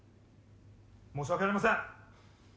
申し訳ありません。